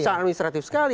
sangat administratif sekali